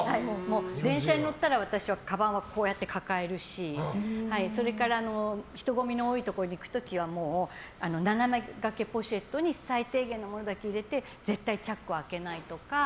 電車に乗ったら私はかばんはこうやって抱えるし人ごみの多いところに行く時は斜め掛けポシェットに最低限のものだけ入れて絶対チャックを開けないとか。